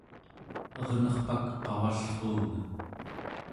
ernerpak qavallruunga